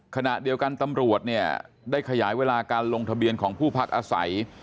ขณะเดียวกันตำรวจเนี่ยได้ขยายเวลาการลงทะเบียนของผู้พักอาศัย